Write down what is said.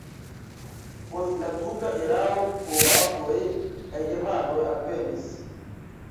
Post la turka erao kroatoj kaj germanoj alvenis.